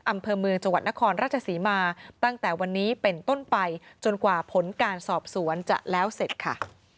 อำเภอเมืองจังหวัดนครราชศรีมาตั้งแต่วันนี้เป็นต้นไปจนกว่าผลการสอบสวนจะแล้วเสร็จค่ะ